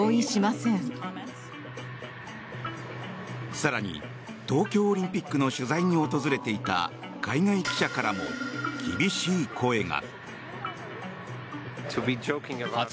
更に東京オリンピックの取材に訪れていた海外記者からも厳しい声が。